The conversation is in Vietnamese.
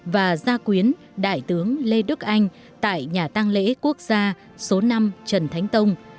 và gia quyến đại tướng lê đức anh tại nhà tăng lễ quốc gia số năm trần thánh tông